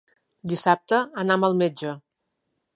Dissabte anam al metge.